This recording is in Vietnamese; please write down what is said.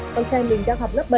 con trai mình đang học lớp bảy